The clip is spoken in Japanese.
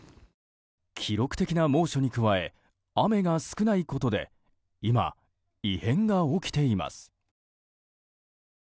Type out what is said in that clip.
記録的な猛暑に加え雨が少ないことで今、異変が起きています。